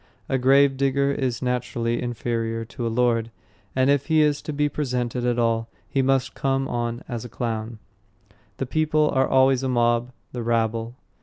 A gravedigger is naturally inferior to a lord, and if he is to be presented at all, he must come on as a clown. The people are always a mob, the rabble.